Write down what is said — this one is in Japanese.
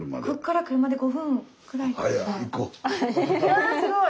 わすごい。